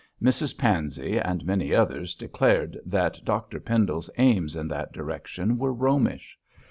Mrs Pansey and many others declared that Dr Pendle's aims in that direction were Romish.